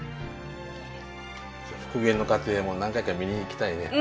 復元の過程も何回か見に行きたいね。